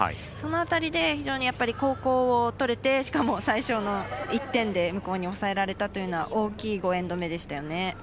その辺りで非常に、後攻をとれてしかも最初の１点で向こうに抑えられたというのは大きい５エンドでしたね。